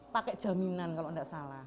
pakai jaminan kalau tidak salah